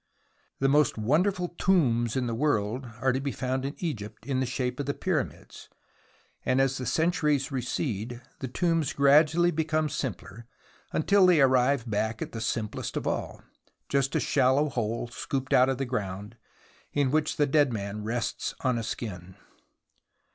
The most wonderful tombs in the world are to be found in Egypt in the shape of the Pyramids, and as the centuries recede the tombs gradually become simpler until they arrive back at the simplest of all — just a shallow hole scooped out of the ground, in which the dead man rests on a skin.